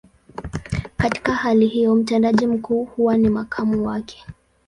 Katika hali hiyo, mtendaji mkuu huwa ni makamu wake.